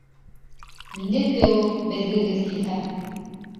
Минеке ул, белгегеҙ килһә!